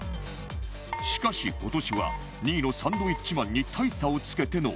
しかし今年は２位のサンドウィッチマンに大差をつけての１位